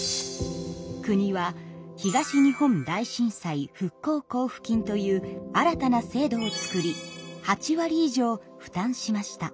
国は東日本大震災復興交付金という新たな制度を作り８割以上負担しました。